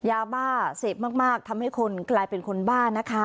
ยาบ้าเสพมากทำให้คนกลายเป็นคนบ้านะคะ